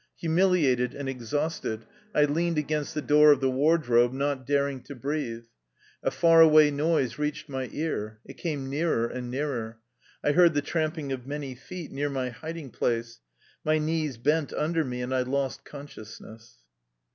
Humiliated and ex hausted, I leaned against the door of the ward robe, not daring to breathe. A far away noise reached my ear. It came nearer and nearer. I heard the tramping of many feet near my hiding place. My knees bent under me, and I lost con sciousness.